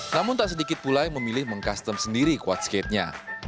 namun tak sedikit pulai memilih mengkustom sendiri quad skatenya